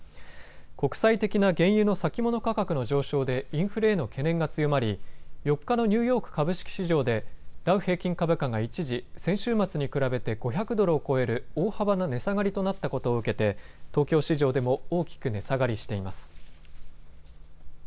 国際的な原油の先物価格の上昇でインフレへの懸念が強まり４日のニューヨーク株式市場でダウ平均株価が一時、先週末に比べて５００ドルを超える大幅な値下がりとなったことを受けて東京市場でも大きく値下がりしています。